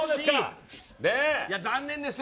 残念ですよ。